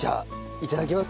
いただきます。